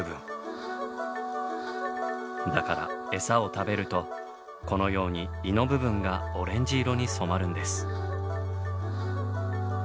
だからエサを食べるとこのように胃の部分がオレンジ色に染まるんです。